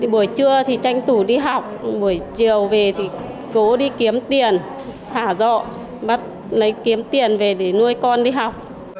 buổi trưa thì tranh tủ đi học buổi chiều về thì cố đi kiếm tiền thả dọ bắt lấy kiếm tiền về để nuôi con đi học